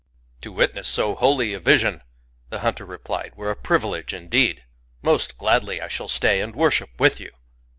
To witness so holy a vision," the hunter replied, ^*were a privilege indeed! Most gladly I shall stay, and worship with you."